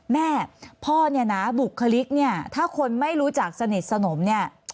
แม่พ่อเนี่ยนะบุคลิกเนี่ยถ้าคนไม่รู้จักสนิทสนมเนี่ย